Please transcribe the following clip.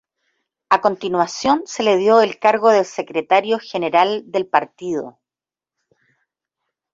A continuación, se le dio el cargo de Secretario General del partido.